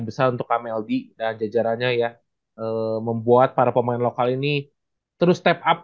bisa di stop lah